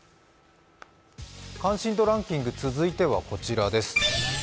関心度ランキング続いてはこちらです。